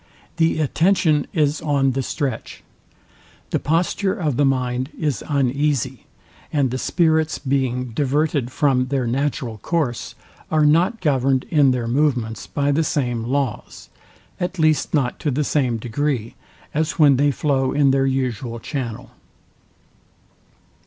The attention is on the stretch: The posture of the mind is uneasy; and the spirits being diverted from their natural course, are not governed in their movements by the same laws, at least not to the same degree, as when they flow in their usual channel.